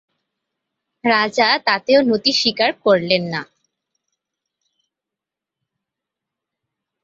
রাজা তাতেও নতি স্বীকার করলেন না।